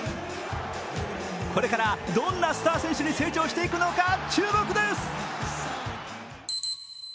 これからどんなスター選手に成長していくのか注目です。